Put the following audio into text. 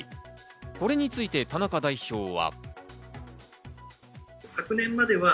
これについて田中代表は。